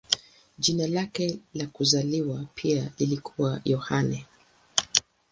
Jina lake la kuzaliwa pia lilikuwa Yohane.